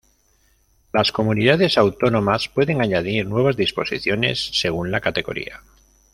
Las comunidades autónomas pueden añadir nuevas disposiciones según la categoría.